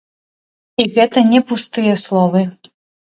І гэта не пустыя словы.